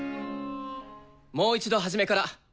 もう一度初めから。